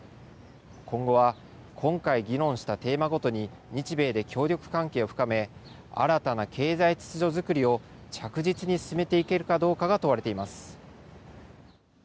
今後は、今回議論したテーマごとに、日米で協力関係を深め、新たな経済秩序作りを着実に進めていけるかどうかが問われています。